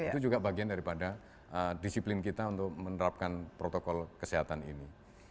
itu juga bagian daripada disiplin kita untuk menerapkan protokol kesehatan ini